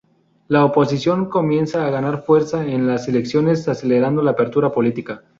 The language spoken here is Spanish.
La oposición comienza a ganar fuerza en las elecciones, acelerando la apertura política.